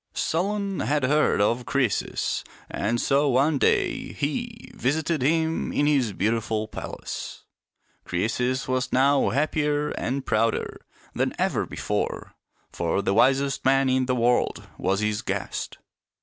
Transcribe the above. Solon had heard of Croesus, and so one day he 82 «AS RICH AS CRCESUS" 83 visited him in his beautiful palace. Crcesus was now happier and prouder than ever before, for the wisest man in the world was his guest.